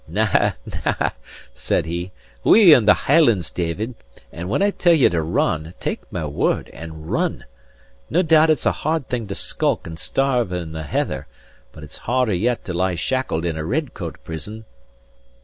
"Na, na," said he, "we're in the Hielands, David; and when I tell ye to run, take my word and run. Nae doubt it's a hard thing to skulk and starve in the Heather, but it's harder yet to lie shackled in a red coat prison."